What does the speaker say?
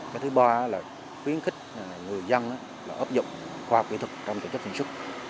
cái thứ ba là khuyến khích người dân là ấp dụng khoa học kỹ thuật trong trường chất sản xuất